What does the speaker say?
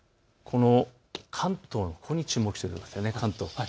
関東のここに注目してください。